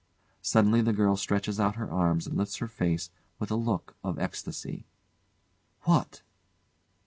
[Suddenly the girl stretches out her arms and lifts her face with a look of ecstasy.] What?